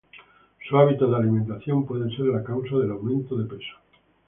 Sus hábitos de alimentación pueden ser la causa del aumento de peso